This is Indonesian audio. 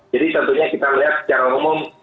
jadi tentunya kita melihat secara umum